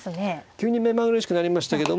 急に目まぐるしくなりましたけども。